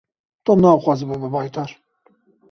Tom naxwaze bibe baytar.